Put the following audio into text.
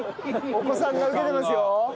お子さんがウケてますよ！